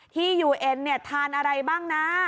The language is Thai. ที่ยูเอ็นทานอะไรบ้างนะ